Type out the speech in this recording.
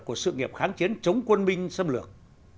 của sự nghiệp kháng chiến chống quân binh xâm lược